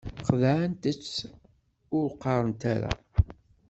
Xedɛent-tt ur qarɛent ara.